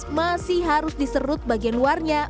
sebelum yang sudah dikubas masih harus diserut bagian luarnya